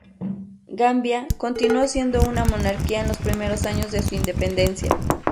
Gambia continuó siendo una monarquía en los primeros años de su independencia.